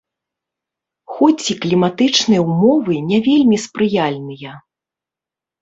Хоць і кліматычныя ўмовы не вельмі спрыяльныя.